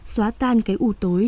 xóa tan cái ưu tối